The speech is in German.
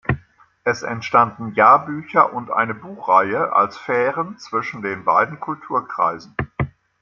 Es entstanden Jahrbücher und eine Buchreihe als "Fähren" zwischen den beiden Kulturkreisen.